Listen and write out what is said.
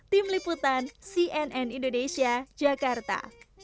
tim liputan cnn indonesia jakarta